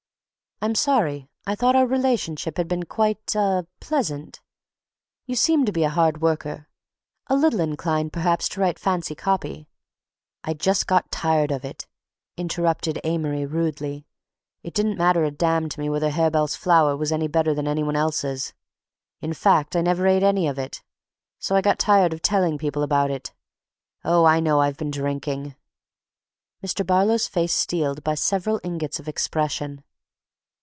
"I'm sorry. I thought our relations had been quite—ah—pleasant. You seemed to be a hard worker—a little inclined perhaps to write fancy copy—" "I just got tired of it," interrupted Amory rudely. "It didn't matter a damn to me whether Harebell's flour was any better than any one else's. In fact, I never ate any of it. So I got tired of telling people about it—oh, I know I've been drinking—" Mr. Barlow's face steeled by several ingots of expression.